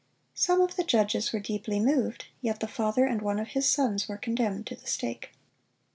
(354) Some of the judges were deeply moved, yet the father and one of his sons were condemned to the stake.